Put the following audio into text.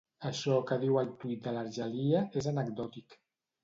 Això que diu el tuit de l'Argelia és anecdòtic.